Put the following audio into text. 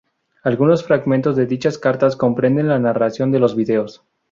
Algunos fragmentos de dichas cartas comprenden la narración de los videos.